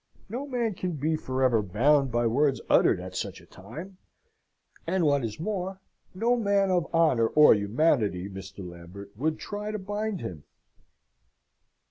No man can be for ever bound by words uttered at such a time; and, what is more, no man of honour or humanity, Mr. Lambert, would try to bind him."